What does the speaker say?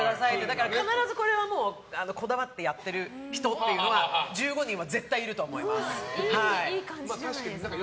だから必ずこれはこだわってやってる人が１５人は絶対いると思います。